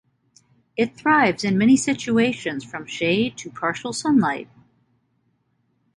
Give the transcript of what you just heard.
It thrives in many situations from shade to partial sunlight.